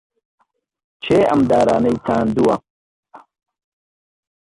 کێ ئەم دارانەی چاندووە؟